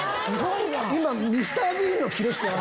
今。